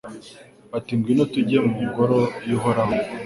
bati Ngwino tujye mu Ngoro y’Uhoraho